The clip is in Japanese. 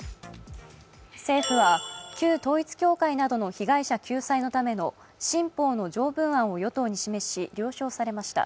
政府は旧統一教会などの被害者救済のための新法の条文案を与党に示し了承されました。